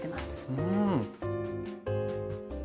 うん。